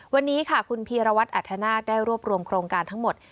วันนี้ค่ะคุณพีรวัตรอัธนาศได้รวบรวมโครงการทั้งหมด